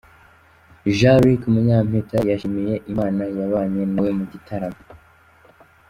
com, Jean Luc Munyampeta yashimiye Imana yabanye nawe mu gitaramo.